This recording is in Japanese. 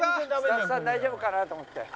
スタッフさん大丈夫かなと思って。